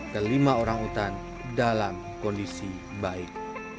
kelima orangutan dalam kondisi baik